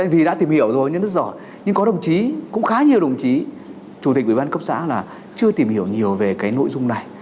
vì đã tìm hiểu rồi nhưng rất giỏi nhưng có đồng chí cũng khá nhiều đồng chí chủ tịch ủy ban cấp xã là chưa tìm hiểu nhiều về cái nội dung này